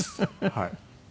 はい。